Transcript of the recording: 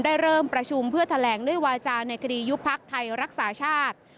ได้เริ่มประชุมเพื่อแถลงด้วยวาจาในคดียุบพักไทยรักษาชาติ